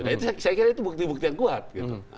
nah itu saya kira itu bukti bukti yang kuat gitu